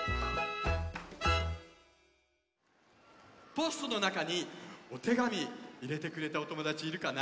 ポストのなかにおてがみいれてくれたおともだちいるかな？